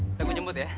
ya kita gue jemput ya